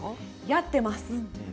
やっています。